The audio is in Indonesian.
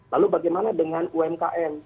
lalu bagaimana dengan umkm